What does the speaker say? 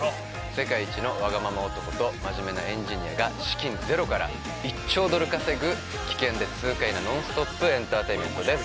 世界一のワガママ男と真面目なエンジニアが資金ゼロから１兆ドル稼ぐ危険で痛快なノンストップ・エンターテインメントです